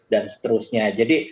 dan seterusnya jadi